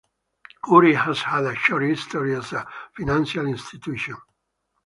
Woori has had a short history as a financial institution.